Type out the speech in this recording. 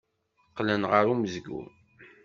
Qqlen ɣer umezgun.